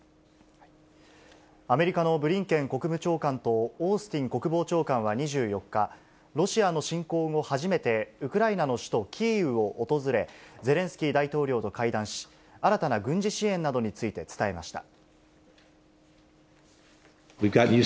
アメリカのブリンケン国務長官とオースティン国防長官は２４日、ロシアの侵攻後初めて、ウクライナの首都キーウを訪れ、ゼレンスキー大統領と会談し、新たな軍事支援などについて伝えました。